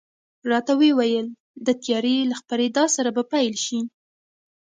راته وې ویل، د تیارې له خپرېدا سره به پیل شي.